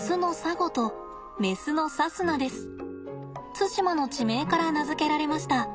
対馬の地名から名付けられました。